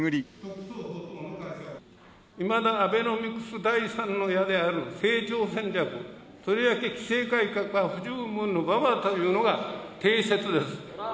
いまだアベノミクス第三の矢である成長戦略、とりわけ規制改革は不十分のままというのが定説です。